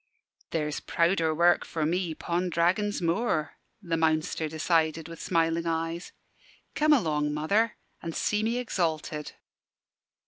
"There's prouder work for me 'pon Dragon's Moor," the Mounster decided, with smiling eyes. "Come along, mother, an' see me exalted."